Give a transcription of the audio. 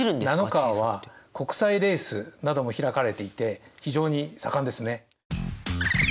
ナノカーは国際レースなども開かれていて非常に盛んですね。